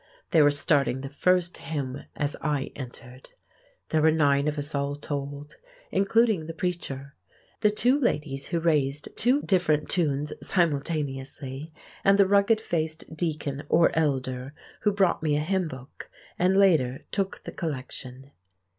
They were starting the first hymn as I entered. There were nine of us all told, including the preacher, the two ladies who raised two different tunes simultaneously, and the rugged faced deacon or elder, who brought me a hymnbook and, later, took the collection.